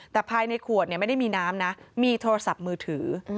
แต่ภายในขวดไม่ได้มีน้ำนะมีโทรศัพท์มือถือ